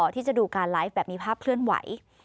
ที่จะดูการไลฟ์แบบมีภาพเคลื่อนไหว